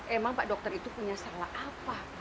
emang pak dokter itu punya salah apa